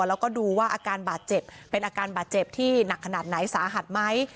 เป็นอาการบาดเจ็บที่หนักขนาดไหนสาหัสไหม